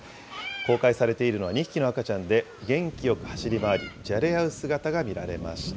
公開されているのは２匹の赤ちゃんで、元気よく走り回り、じゃれ合う姿が見られました。